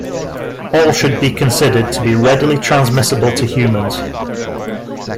All should be considered to be readily transmissible to humans.